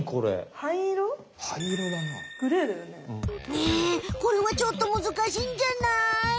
ねえこれはちょっとむずかしいんじゃない？